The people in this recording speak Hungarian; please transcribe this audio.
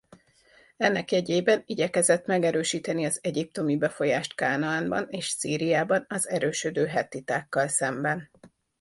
Ennek jegyében igyekezett megerősíteni az egyiptomi befolyást Kánaánban és Szíriában az erősödő hettitákkal szemben.